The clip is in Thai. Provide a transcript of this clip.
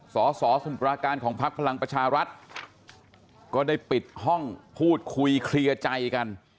สสมุปราการของพักพลังประชารัฐก็ได้ปิดห้องพูดคุยเคลียร์ใจกัน